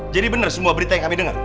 jadi bener semua berita yang kami dengar